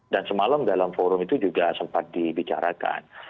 dan semalam dalam forum itu juga sempat dibicarakan